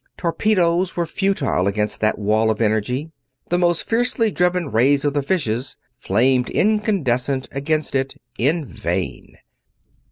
Torpedoes were futile against that wall of energy. The most fiercely driven rays of the fishes flamed incandescent against it, in vain.